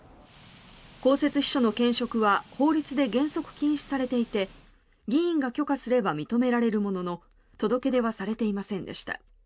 公設秘書の兼職は法律で原則禁止されていて議員が許可すれば認められるものの届け出はされていませんでした。